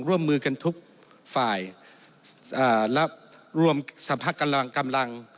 ร่วมมือกันทุกฝ่ายและรวมสรรพกำลังกำลัง